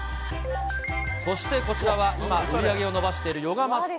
そしてこちらは、今、売り上げを伸ばしているヨガマット。